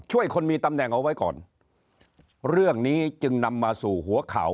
คนมีตำแหน่งเอาไว้ก่อนเรื่องนี้จึงนำมาสู่หัวข่าว